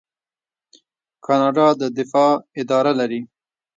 کاناډا د دفاع اداره لري.